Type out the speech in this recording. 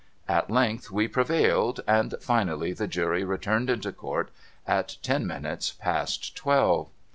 At length we prevailed, and finally the Jury returned into Court at ten minutes past twelve.